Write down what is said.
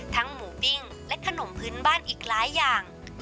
หมูปิ้งและขนมพื้นบ้านอีกหลายอย่าง